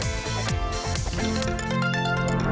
พี่มีพี่มีโทรสิค่ะ